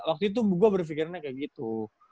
waktu itu gue berpikirnya kayak gitu